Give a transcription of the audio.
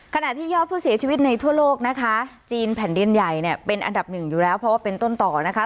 ขณะที่ยอดผู้เสียชีวิตในทั่วโลกนะคะจีนแผ่นดินใหญ่เนี่ยเป็นอันดับหนึ่งอยู่แล้วเพราะว่าเป็นต้นต่อนะคะ